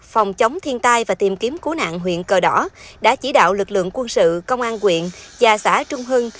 phòng chống thiên tai và tìm kiếm cứu nạn huyện cờ đỏ đã chỉ đạo lực lượng quân sự công an quyện và xã trung hưng